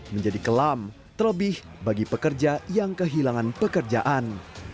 menjadi kelam terlebih bagi pekerja yang kehilangan pekerjaan